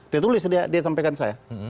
ditulis dia dia sampaikan saya